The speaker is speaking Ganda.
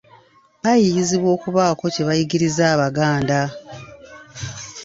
Byayiiyizibwa okubaako kye biyigiriza Abaganda.